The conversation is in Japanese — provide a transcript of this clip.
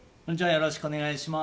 よろしくお願いします。